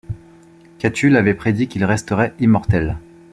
Catulle avait prédit qu'il resterait immortel.